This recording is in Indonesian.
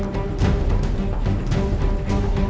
ngapain dia deket deket mobil aku